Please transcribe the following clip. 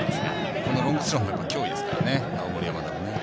このロングスローも脅威ですよね、青森山田ね。